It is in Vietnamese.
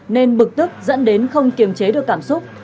nên bực tức dẫn đến không kiềm chế được cảm xúc